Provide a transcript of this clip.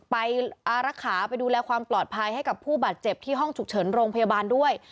ไปอารักษาไปดูแลความปลอดภัยให้กับผู้บาดเจ็บที่ห้องฉุกเฉินโรงพยาบาลด้วย